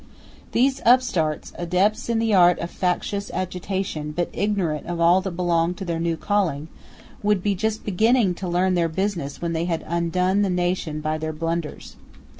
These upstarts, adepts in the art of factious agitation, but ignorant of all that belonged to their new calling, would be just beginning to learn their business when they had undone the nation by their blunders.